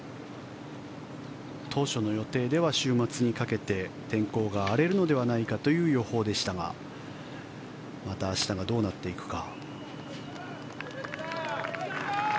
当初の予定では週末にかけて天候が荒れるのではないかという予報でしたがまた明日がどうなっていくか。